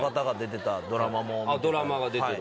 ドラマが出てる。